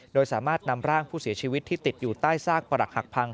โดยสามารถนำร่างผู้เสียชีวิตที่ติดอยู่ใต้ซากประหลักหักพัง